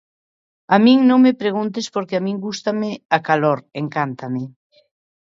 A min non me preguntes, porque a min gústame a calor, encántame.